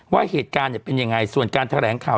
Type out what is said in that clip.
ว่าเหตุการณ์เป็นยังไงส่วนการแถลงข่าว